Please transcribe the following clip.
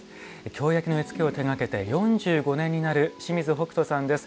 京焼の絵付けを手がけて４５年になる清水北斗さんです。